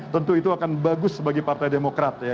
tentu itu akan bagus bagi partai demokrat ya